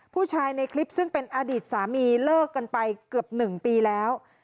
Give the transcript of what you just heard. ผู้ชายในคลิปซึ่งเป็นอดีตสามีเลิกกันไปเกือบ๑ปีแล้ว